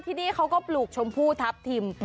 ที่นี่เขาก็ปลูกชมพู่ทัพทิม